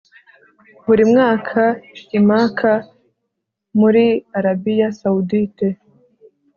buri mwaka, i maka muri arabiya sawudite